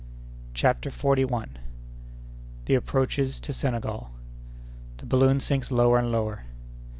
CHAPTER FORTY FIRST. The Approaches to Senegal.—The Balloon sinks lower and lower.